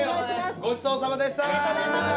ごちそうさまでした。